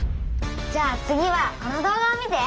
じゃあ次はこの動画を見て！